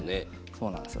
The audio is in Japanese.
そうなんですよ